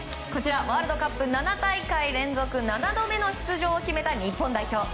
ワールドカップ７大会連続７度目の出場を決めた日本代表。